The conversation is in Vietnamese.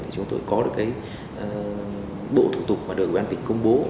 thì chúng tôi có được cái bộ thủ tục mà được ủy ban tỉnh công bố